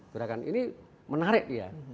gerakan ini menarik ya